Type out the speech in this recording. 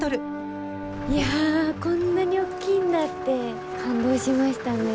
いやこんなに大きいんだって感動しましたね。